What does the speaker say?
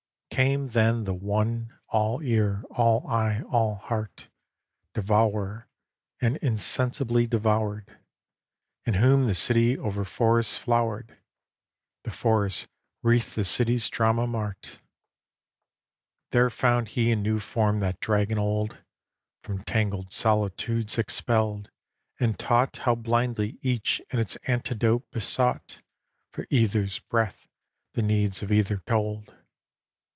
XXVI Came then the one, all ear, all eye, all heart; Devourer, and insensibly devoured; In whom the city over forest flowered, The forest wreathed the city's drama mart. XXVII There found he in new form that Dragon old, From tangled solitudes expelled; and taught How blindly each its antidote besought; For either's breath the needs of either told.